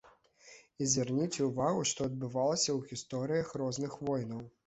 І звярніце ўвагу, што адбывалася ў гісторыях розных войнаў.